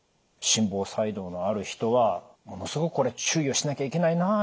心房細動のある人は「ものすごくこれ注意をしなきゃいけないな。